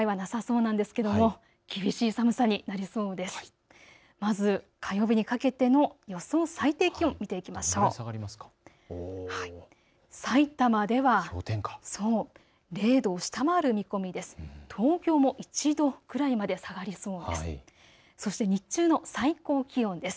さいたまでは０度を下回る見込みです。